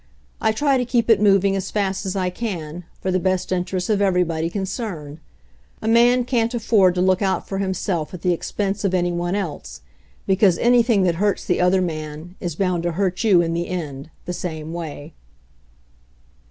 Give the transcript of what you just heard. I try to keep it moving as fast as I can, for the best interests of everybody concerned. A man can't afford to look out for himself at the expense of any one else, because anything that hurts the other man is bound to hurt you in the end, the same way."